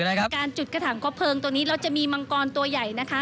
การจุดกระถังคบเพลิงตัวนี้เราจะมีมังกรตัวใหญ่นะคะ